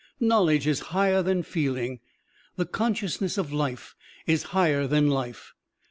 Knowledge is higher than feeling, the consciousness of life is higher than life.